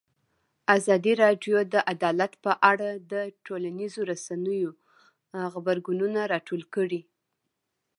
ازادي راډیو د عدالت په اړه د ټولنیزو رسنیو غبرګونونه راټول کړي.